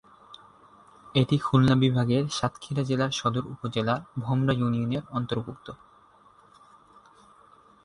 এটি খুলনা বিভাগের সাতক্ষীরা জেলার সদর উপজেলার ভোমরা ইউনিয়নের অন্তর্ভুক্ত।